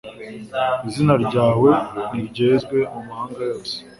izina ryawe niryezwe mumahanga yose